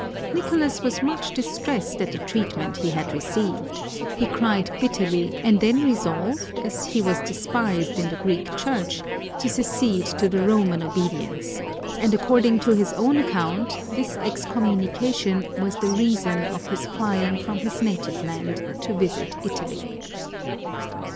Nicolas was much distressed at the treatment he had received ; he cried bitterly, and then resolved, as he was despised in the Greek Church, to secede to the Roman obedience ; and according to his own account this excommunication was the reason of his flying from his native land to ■ visit Italy.